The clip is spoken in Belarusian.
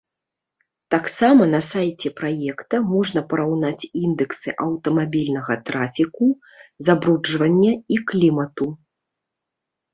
Таксама на сайце праекта можна параўнаць індэксы аўтамабільнага трафіку, забруджвання і клімату.